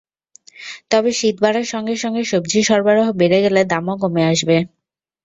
তবে শীত বাড়ার সঙ্গে সঙ্গে সবজির সরবরাহ বেড়ে গেলে দামও কমে আসবে।